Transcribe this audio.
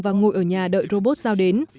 và ngồi ở nhà đợi robot giao đến